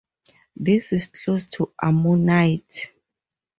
This is close to Ammonite.